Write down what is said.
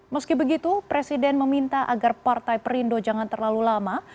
meski begitu presiden meminta agar partai perindo jangan terlalu lama